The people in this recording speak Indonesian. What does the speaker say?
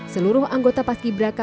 seluruh anggota paski braka